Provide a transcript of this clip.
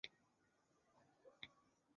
该热带低气压保持向西北方向的路径。